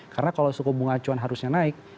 karena kalau suku bunga acuan harusnya naik